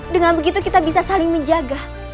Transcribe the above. dengan begitu kita bisa saling menjaga